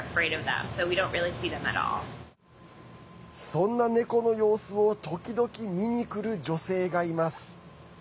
そんなネコの様子を時々、見に来る女性がいます。